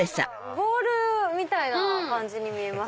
ボールみたいな感じに見えます。